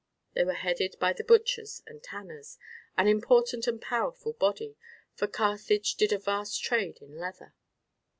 They were headed by the butchers and tanners, an important and powerful body, for Carthage did a vast trade in leather.